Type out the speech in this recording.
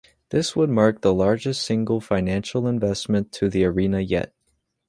This would mark the largest single financial investment to the arena yet.